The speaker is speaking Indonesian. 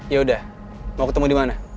yaudah mau ketemu dimana